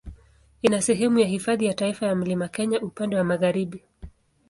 Ina sehemu ya Hifadhi ya Taifa ya Mlima Kenya upande wa magharibi.